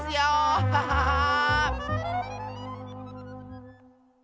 アハハハー！